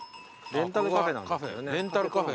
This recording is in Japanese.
レンタルカフェ？